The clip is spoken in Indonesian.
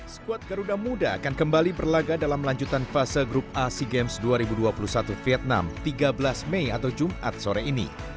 skuad garuda muda akan kembali berlaga dalam lanjutan fase grup ac games dua ribu dua puluh satu vietnam tiga belas mei atau jumat sore ini